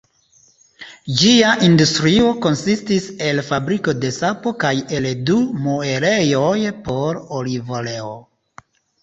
Ĝia industrio konsistis el fabriko de sapo kaj el du muelejoj por olivoleo.